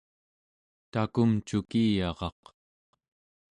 takumcukiyaraq